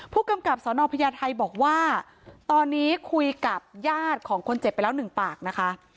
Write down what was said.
ผู้กำกับสนพญาไทยบอกว่าตอนนี้คุยกับญาติของคนเจ็บไปแล้วหนึ่งปากนะคะ